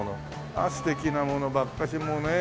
ああ素敵なものばっかしもうねえ。